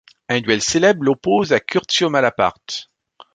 Un duel célèbre l'oppose à Curzio Malaparte.